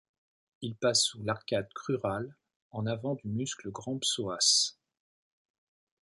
Il passe sous l'arcade crurale en avant du muscle grand psoas.